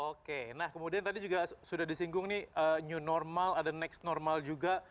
oke nah kemudian tadi juga sudah disinggung nih new normal ada next normal juga